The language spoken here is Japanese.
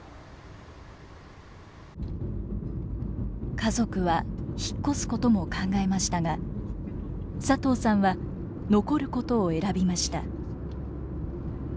家族は引っ越すことも考えましたが佐藤さんは残ることを選びました。